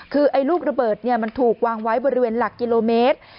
คือไอ้ลูกระเบิดมันถูกวางไว้บริเวณหลักกิโลเมตร